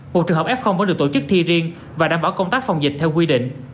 một trường hợp f vẫn được tổ chức thi riêng và đảm bảo công tác phòng dịch theo quy định